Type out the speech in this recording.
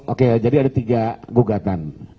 oke jadi ada tiga gugatan